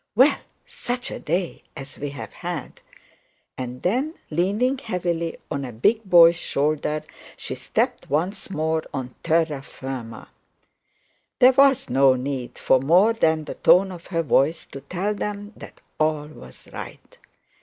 'Well, such a day as we've had!' and then leaning heavily on a big boy's shoulder, she stepped once more on terra firma. There was no need for more than the tone of her voice to tell them that all was right.